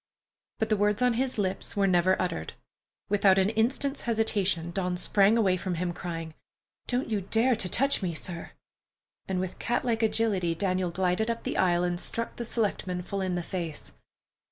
But the words on his lips were never uttered. Without an instant's hesitation, Dawn sprang away from him, crying, "Don't you dare to touch me, sir!" and with catlike agility Daniel glided up the aisle and struck the selectman full in the face.